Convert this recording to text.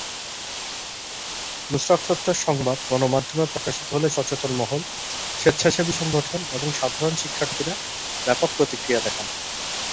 নুসরাত হত্যার সংবাদ গণমাধ্যমে প্রকাশিত হলে সচেতন মহল, স্বেচ্ছাসেবী সংগঠন এবং সাধারণ শিক্ষার্থীরা ব্যাপক প্রতিক্রিয়া দেখান।